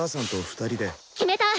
決めた。